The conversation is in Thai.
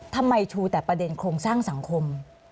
ชูแต่ประเด็นโครงสร้างสังคม